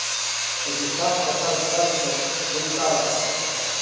Егьырҭ ахԥа таз-тазӡа гынҿарақәан.